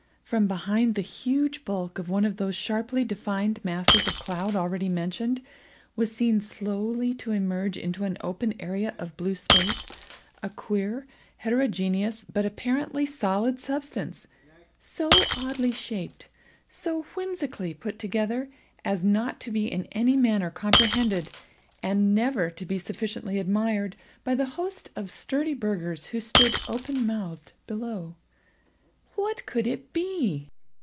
From behind the huge bulk of one of those sharply defined masses of cloud already mentioned, was seen slowly to emerge into an open area of blue space, a queer, heterogeneous, but apparently solid substance, so oddly shaped, so whimsically put together, as not to be in any manner comprehended, and never to be sufficiently admired, by the host of sturdy burghers who stood open mouthed below. What could it be?